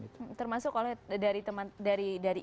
termasuk oleh dari